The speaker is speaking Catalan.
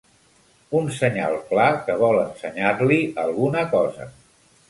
Un senyal clar que vol ensenyar-li alguna cosa.